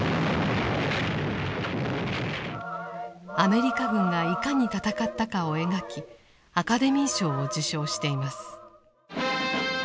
アメリカ軍がいかに戦ったかを描きアカデミー賞を受賞しています。